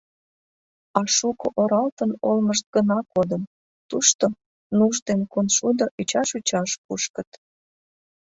А шуко оралтын олмышт гына кодын, тушто нуж ден коншудо ӱчаш-ӱчаш кушкыт...